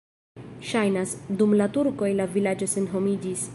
Ŝajnas, dum la turkoj la vilaĝo senhomiĝis.